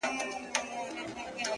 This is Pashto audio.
o هغه وه تورو غرونو ته رويا وايي؛